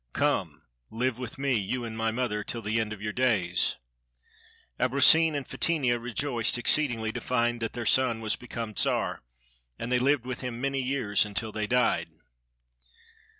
Come, live with me, you and my mother, till the end of your days." Abrosim and Fetinia rejoiced exceedingly to find that their son was become Czar, and they lived with him many years, until they died.